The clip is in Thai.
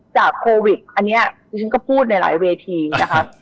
จากโควิดอันนี้ฉันก็พูดในหลายเวทีนะครับ